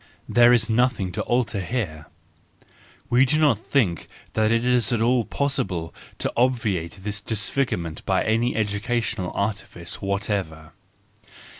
There is nothing to alter here. We need not think that it is at all possible to obviate this disfigurement by any educational artifice whatever.